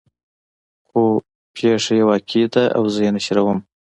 خو پېښه يې واقعي ده او زه یې نشروم.